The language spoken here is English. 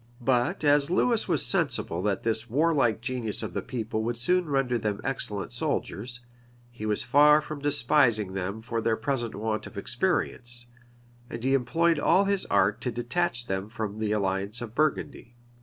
But as Lewis was sensible that the warlike genius of the people would soon render them excellent soldiers, he was far from despising them for their present want of experience; and he employed all his art to detach them from the alliance of Burgundy.